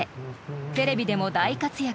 ［テレビでも大活躍